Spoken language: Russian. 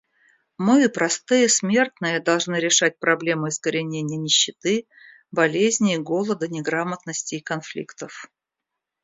Мы, простые смертные, должны решать проблемы искоренения нищеты, болезней, голода, неграмотности и конфликтов.